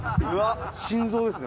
心臓ですね